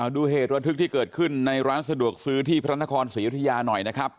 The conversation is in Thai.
ดูเหตุระทึกที่เกิดขึ้นในร้านสะดวกซื้อที่พระนครศรียุธยาหน่อยนะครับ